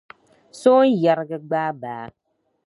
Sooŋ’ yariga gbaai baa.